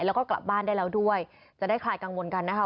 แล้วก็กลับบ้านได้แล้วด้วยจะได้คลายกังวลกันนะคะ